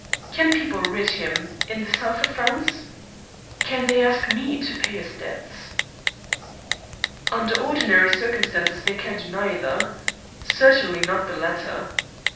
Can people writ him in the South of France? Can they ask me to pay his debts?" "Under ordinary circumstances they can do neither. Certainly not the latter."